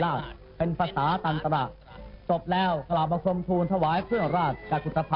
จากนั้นเวลา๑๑นาฬิกาเศรษฐ์พระธินั่งไพรศาลพักศิลป์